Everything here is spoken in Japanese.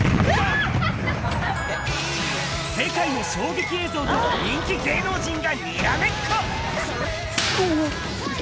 世界の衝撃映像と、人気芸能人がにらめっこ。